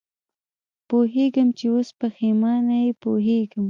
پوهېږم چې اوس پېښېمانه یې، پوهېږم.